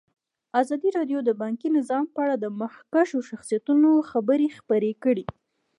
ازادي راډیو د بانکي نظام په اړه د مخکښو شخصیتونو خبرې خپرې کړي.